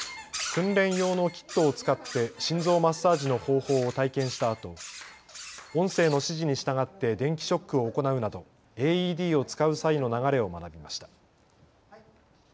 訓練用のキットを使って心臓マッサージの方法を体験したあと音声の指示に従って電気ショックを行うなどＡＥＤを使う際の流れを学びました。